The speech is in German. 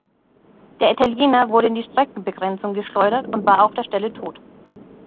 Der Italiener wurde in die Streckenbegrenzung geschleudert und war auf der Stelle tot.